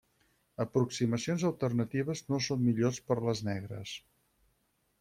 Aproximacions alternatives no són millors per les negres.